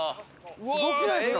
すごくないですか？